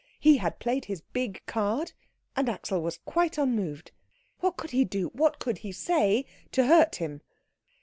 He had played his big card, and Axel was quite unmoved. What could he do, what could he say, to hurt him?